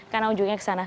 karena ujungnya ke sana